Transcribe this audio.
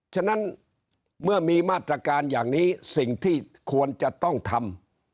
ฉะนั้นเมื่อมีมาตรการอย่างนี้สิ่งที่ควรจะต้องทำ